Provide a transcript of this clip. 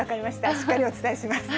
しっかりお伝えします。